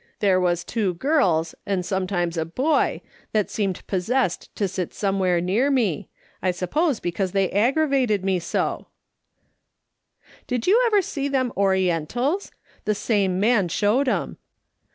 There was two girls, and sometimes a boy, that seemed possessed to sit somewhere near me — I suppose be Ciiuse they aggravated me so —" Did you ever see them Orientals ? The same man showed 'em.